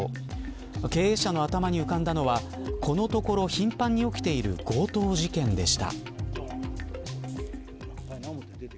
経営者の頭に浮かんだのはこのところ頻繁に起きている強盗事件でした。